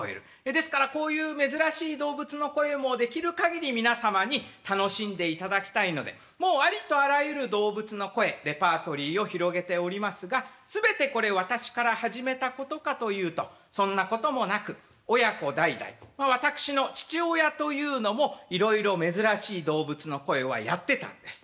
ですからこういう珍しい動物の声もできるかぎり皆様に楽しんでいただきたいのでもうありとあらゆる動物の声レパートリーを広げておりますが全てこれ私から始めたことかというとそんなこともなく親子代々私の父親というのもいろいろ珍しい動物の声はやってたんです。